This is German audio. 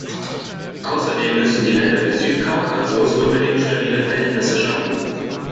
Außerdem müssen die Länder des Südkaukasus unbedingt stabile Verhältnisse schaffen.